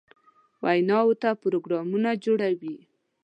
ویناوو ته پروګرامونه جوړوي.